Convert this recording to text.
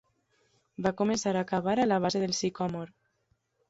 Va començar a cavar a la base del sicòmor.